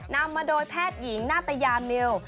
นำมาโดยแพทย์หญิงนาตยาเมล